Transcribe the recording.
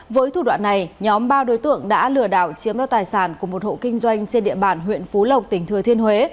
với thủ đoạn này nhóm ba đối tượng đã lừa đảo chiếm đoạt tài sản của một hộ kinh doanh trên địa bàn huyện phú lộc tỉnh thừa thiên huế